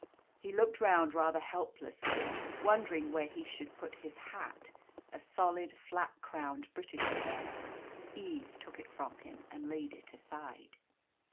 He looked round rather helplessly, wondering where he should put his hat a solid, flat crowned British affair. Eve took it from him and laid it aside.